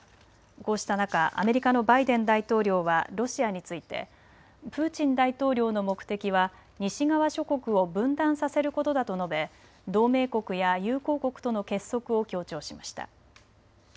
こうした中、アメリカのバイデン大統領はロシアについてプーチン大統領の目的は西側諸国を分断させることだと述べ同盟国や友好国との結束を強調しました。